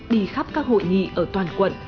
đi khắp các hội nghị ở toàn quận